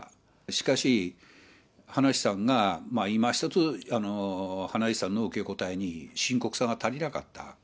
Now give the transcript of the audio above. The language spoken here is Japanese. しかし、葉梨さんが、いまひとつ葉梨さんの受け答えに深刻さが足りなかった。